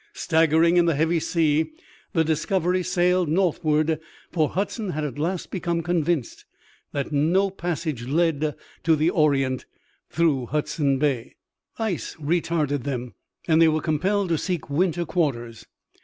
Staggering in the heavy sea the Discovery sailed northward, for Hudson had at last become convinced that no passage led to the orient through Hudson Bay. Ice retarded them and they were compelled to seek winter quarters.